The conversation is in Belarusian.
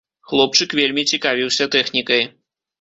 Хлопчык вельмі цікавіўся тэхнікай.